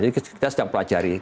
jadi kita sedang pelajari